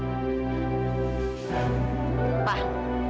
jadi kamu jangan mengandang adalah